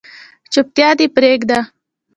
چوپتیا دې پریږده